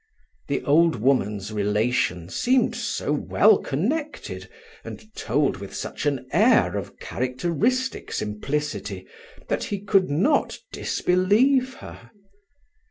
The old woman's relation seemed so well connected, and told with such an air of characteristic simplicity, that he could not disbelieve her.